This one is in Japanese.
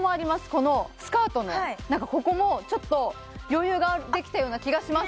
このスカートのなんかここもちょっと余裕ができたような気がします